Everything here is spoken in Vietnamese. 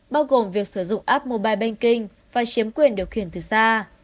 bao gồm việc sử dụng app mobile banking và chiếm quyền điều khiển từ xa